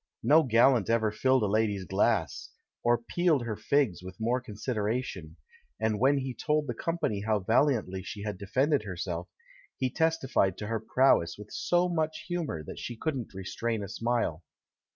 No gallant ever filled a lady's glass, or peeled her figs 174 THE MAX WHO UXDERSTOOD WOMEN with more consideration, and when he told the company how vaHantly she had defended herself, he testified to her prowess with so much humour that she couldn't restrain a smile.